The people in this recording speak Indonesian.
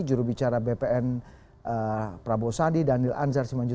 jurubicara bpn prabowo sandi daniel anjar simanjuta